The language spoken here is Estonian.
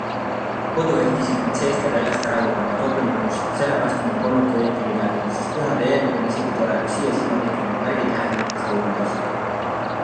Kodu ehtisid nad seest ja väljast ära juba oktoobri lõpus ja selle vastu mul polnudki õieti midagi, sest pühade eel on isegi tore, kui siia-sinna tekivad märgid lähenevatest jõuludest.